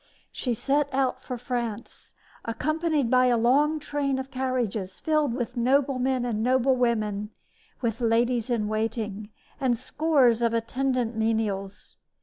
She set out for France accompanied by a long train of carriages filled with noblemen and noblewomen, with ladies in waiting and scores of attendant menials.